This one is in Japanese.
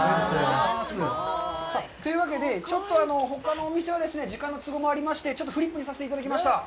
というわけで、ちょっとほかのお店は時間の都合もありまして、フリップにさせていただきました。